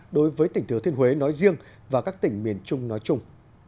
đối với tỉnh thừa thiên huế nói riêng và các tỉnh miền trung nói chung